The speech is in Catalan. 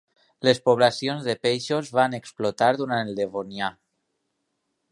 Les poblacions de peixos van explotar durant el Devonià.